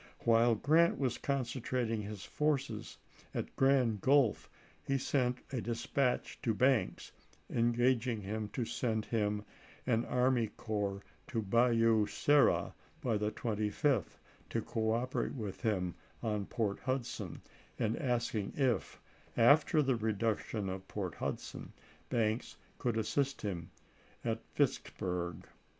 While Grant was con centrating his forces at Grand Gulf, he sent a dis patch to Banks, engaging to send him an army corps to Bayou Sara by the 25th, to cooperate with him on Port Hudson, and asking if, after the reduc tion of Port Hudson, Banks could assist him at Vicksburg.